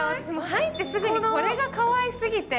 入ってすぐにこれがかわいすぎて。